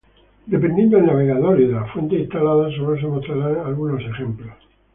Dependiendo del navegador y de las fuentes instaladas solo se mostrarán algunos ejemplos.